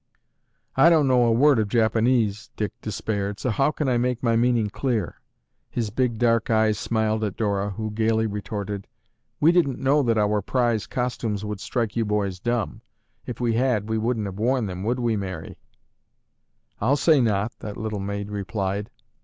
"I don't know a word of Japanese," Dick despaired, "so how can I make my meaning clear?" His big, dark eyes smiled at Dora, who gaily retorted, "We didn't know that our prize costumes would strike you boys dumb. If we had, we wouldn't have worn them, would we, Mary?" "I'll say not," that little maid replied.